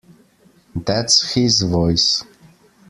That's his voice!